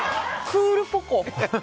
クールポコ。？